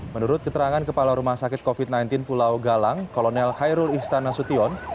menurut keterangan kepala rumah sakit covid sembilan belas pulau galang kolonel khairul ihsan nasution